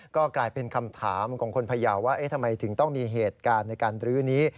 ก็กลายเป็นคำถามของคนพยาวว่าทำไมถึงต้องมีเหตุการณ์ในการรื้อนี้